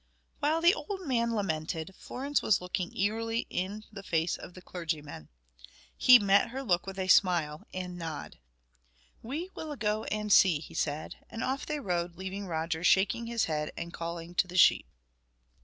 While the old man lamented, Florence was looking eagerly in the face of the clergyman. He met her look with a smile and nod. "We will go and see!" he said; and off they rode, leaving Roger shaking his head and calling to the sheep.